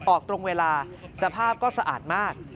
ออกตรงเวลาสภาพก็สะอาดมาก